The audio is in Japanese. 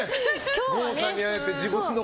郷さんに会えて。